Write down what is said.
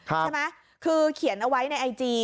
ใช่ไหมคือเขียนเอาไว้ในไอจี